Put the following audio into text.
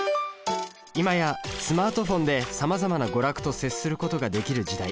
今やスマートフォンでさまざまな娯楽と接することができる時代。